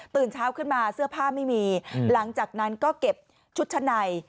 เช้าขึ้นมาเสื้อผ้าไม่มีหลังจากนั้นก็เก็บชุดชั้นใน